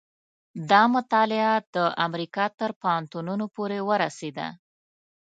دا مطالعه د امریکا تر پوهنتونونو پورې ورسېده.